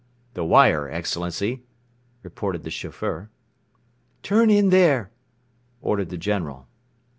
"The wireless, Excellency!" reported the chauffeur. "Turn in there!" ordered the General.